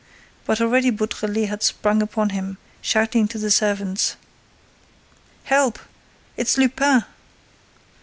But already Beautrelet had sprung upon him, shouting to the servants: "Help! It's Lupin!"